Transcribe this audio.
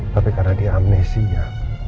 tapi karena dia amnesia